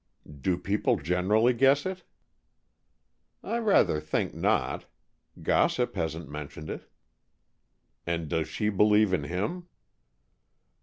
"Do people generally guess it?" "I rather think not. Gossip hasn't mentioned it." "And does she believe in him?"